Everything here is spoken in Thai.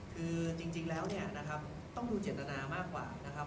คือจริงแล้วเนี่ยนะครับต้องดูเจตนามากกว่านะครับ